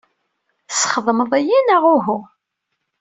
Tesxedmeḍ-iyi, neɣ uhu?